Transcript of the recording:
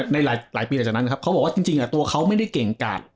ในหลายปีหลังจากนั้นครับเขาบอกว่าจริงตัวเขาไม่ได้เก่งกาด